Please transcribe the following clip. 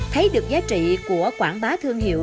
thấy được giá trị của quảng bá thương hiệu